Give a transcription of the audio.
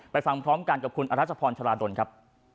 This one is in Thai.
ฟังพร้อมกันกับคุณอรัชพรชราดลครับ